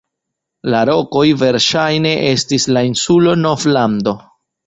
La rokoj verŝajne estis la insulo Novlando.